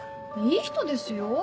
いい人ですよ。